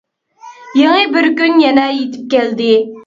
يېڭى بىر كۈن يەنە يېتىپ كەلدى.